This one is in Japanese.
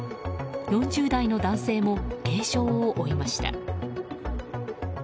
４０代の男性も軽傷を負いました。